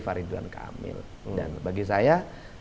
faridwan kamil dan bagi saya